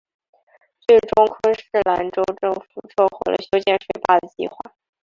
最终昆士兰州政府撤回了修建水坝的计划。